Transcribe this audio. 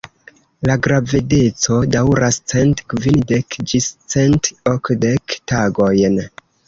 La gravedeco daŭras cent kvindek ĝis cent okdek tagojn.